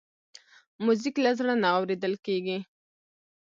موزیک له زړه نه اورېدل کېږي.